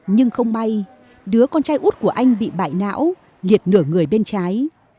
nhưng không may đứa con trai út của anh bị bại não liệt nửa người bên trái